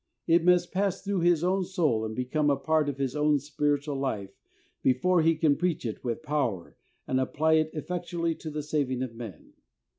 It must pass through his own soul and become a part of his own spiritual life before he can preach it with power and apply it effectually to the saving of men.